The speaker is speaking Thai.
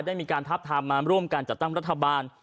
ได้มีการทับทามมาร่วมการจัดตั้งรัฐบาล